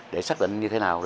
để xác định như thế nào